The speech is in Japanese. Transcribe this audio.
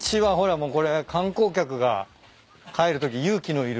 もうこれ観光客が帰るとき勇気のいる。